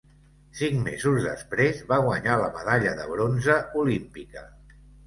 Cinc mesos després va guanyar la medalla de bronze olímpica.